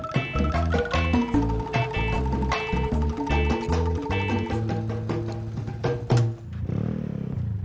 kayak enam puluh tahun dah